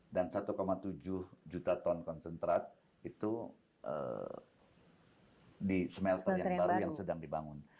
dan satu tujuh juta ton konsentrat itu di smelter yang baru yang sedang dibangun